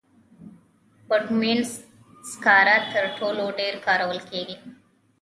بټومینس سکاره تر ټولو ډېر کارول کېږي.